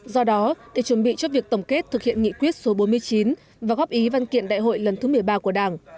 do đó để chuẩn bị cho việc tổng kết thực hiện nghị quyết số bốn mươi chín và góp ý văn kiện đại hội lần thứ một mươi ba của đảng